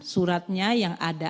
suratnya yang ada